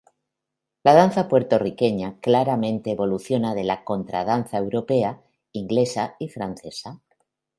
La danza puertorriqueña claramente evoluciona de la contradanza europea, inglesa y francesa.